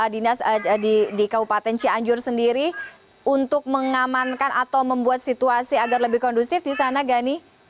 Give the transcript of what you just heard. dinas di kabupaten cianjur sendiri untuk mengamankan atau membuat situasi agar lebih kondusif di sana gani